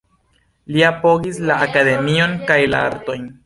Li apogis la akademion kaj la artojn.